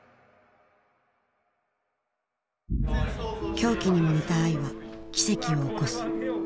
狂気にも似た愛は奇跡を起こす。